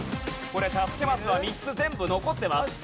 これ助けマスは３つ全部残ってます。